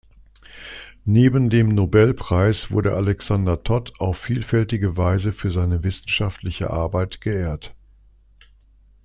Neben dem Nobelpreis wurde Alexander Todd auf vielfältige Weise für seine wissenschaftliche Arbeit geehrt.